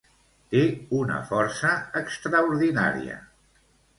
Té una força extraordinària.